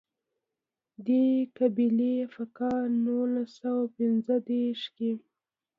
دې قبیلې په کال نولس سوه پېنځه دېرش کې.